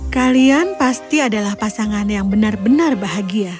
kalian pasti adalah pasangan yang benar benar bahagia